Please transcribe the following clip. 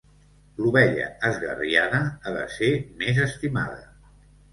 L'ovella esgarriada ha de ser més estimada.